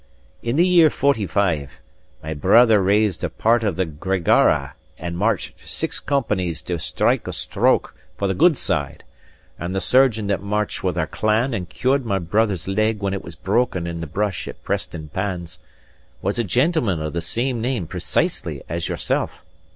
In the year '45, my brother raised a part of the 'Gregara' and marched six companies to strike a stroke for the good side; and the surgeon that marched with our clan and cured my brother's leg when it was broken in the brush at Preston Pans, was a gentleman of the same name precisely as yourself.